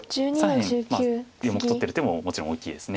４目取ってる手ももちろん大きいです。